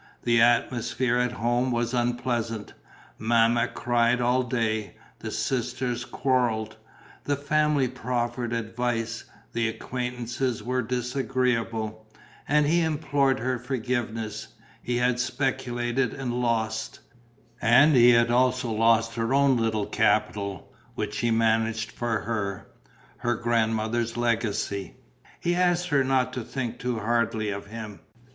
The atmosphere at home was unpleasant: Mamma cried all day; the sisters quarrelled; the family proffered advice; the acquaintances were disagreeable. And he implored her forgiveness. He had speculated and lost. And he had also lost her own little capital, which he managed for her, her godmother's legacy. He asked her not to think too hardly of him.